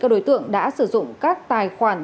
các đối tượng đã sử dụng các tài khoản